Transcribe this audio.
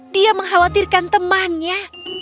dia mengkhawatirkan temannya